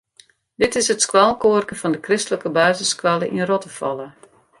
Dit is it skoalkoarke fan de kristlike basisskoalle yn Rottefalle.